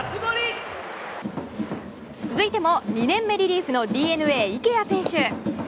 続いても２年目リリーフＤｅＮＡ、池谷選手。